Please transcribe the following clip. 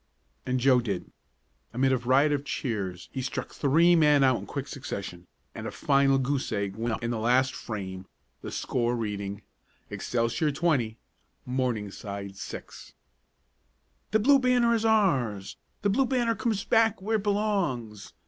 And Joe did. Amid a riot of cheers he struck three men out in quick succession, and a final goose egg went up in the last frame, the score reading: Excelsior, 20; Morningside, 6. "The Blue Banner is ours! The Blue Banner comes back where it belongs!"